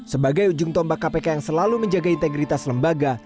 sebagai ujung tombak kpk yang selalu menjaga integritas lembaga